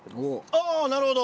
ああなるほど。